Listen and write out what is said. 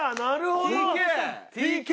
ＴＫ？